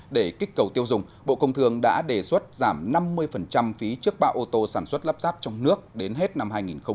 để kích cầu tiêu dùng bộ công thương đã đề xuất giảm năm mươi phí trước bạ ô tô sản xuất lắp ráp trong nước đến hết năm hai nghìn hai mươi